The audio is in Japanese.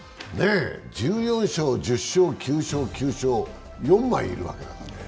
１４勝、１０勝、９勝、９勝、４枚いるわけで。